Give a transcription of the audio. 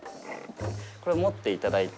これ、持っていただいて。